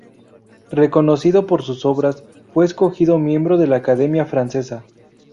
Reconocido por sus obras, fue escogido miembro de la Academia Francesa.